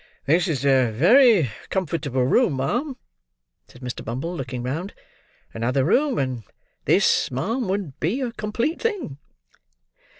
"This is a very comfortable room, ma'am," said Mr. Bumble looking round. "Another room, and this, ma'am, would be a complete thing."